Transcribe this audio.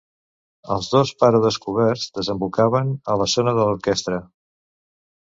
Els dos pàrodes coberts desembocaven a la zona de l'orquestra.